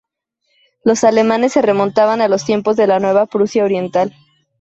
Los alemanes se remontaban a los tiempos de la Nueva Prusia Oriental.